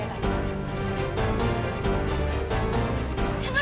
tante ini tidak boleh